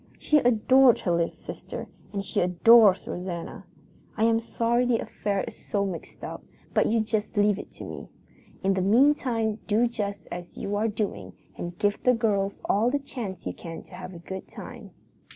"She adored her little sister, and she adores Rosanna. I am sorry the affair is so mixed up, but you just leave it to me. In the meantime do just as you are doing and give the girls all the chance you can to have a good time.